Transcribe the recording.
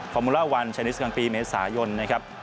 มูล่าวันชายนิสกลางปีเมษายนนะครับ